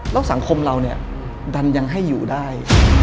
แล้วสังคมเราเนี่ยดันยังให้อยู่ได้